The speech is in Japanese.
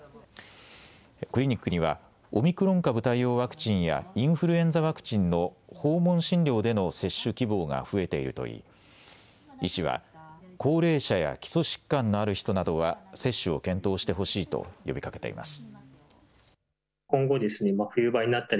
クリニックにはオミクロン株対応ワクチンやインフルエンザワクチンの訪問診療での接種希望が増えているといい、医師は高齢者や基礎疾患のある人などは接種を検討してほしいと呼びかけています。